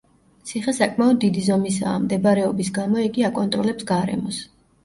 ციხე საკმაოდ დიდი ზომისაა, მდებარეობის გამო იგი აკონტროლებს გარემოს.